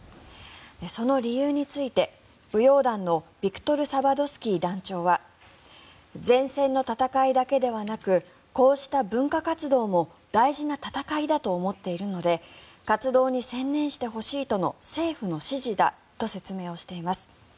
その理由について、舞踊団のビクトル・サバドスキー団長は前線の戦いだけではなくこうした文化活動も大事な戦いだと思っているので活動に専念してほしいとの政府の指示だと説明しています。